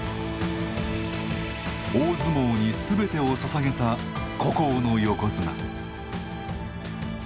大相撲に全てをささげた孤高の横綱。